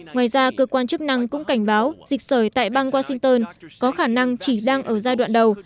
ngoài ra cơ quan chức năng cũng cảnh báo dịch sởi tại bang washington có khả năng chỉ đang ở giai đoạn đầu